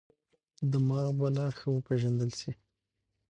دماغ به لا ښه وپېژندل شي.